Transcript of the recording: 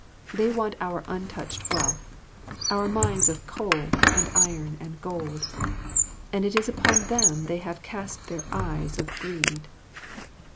They want our untouched wealth, our mines of coal and iron and gold, and it is upon them they have cast their eyes of greed.